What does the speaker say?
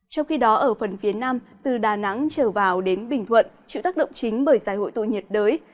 trong khi đó ở phần phía nam từ đà nẵng trở vào đến bình thuận chịu tác động chính bởi giải hội tội nhiệt đới